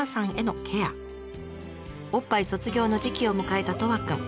おっぱい卒業の時期を迎えたトワくん。